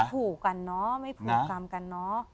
ผูกกันเนอะไม่ผูกกรรมกันเนอะ